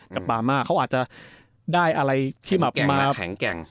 ปามาเขาอาจจะได้อะไรที่แบบมาแข็งแกร่ง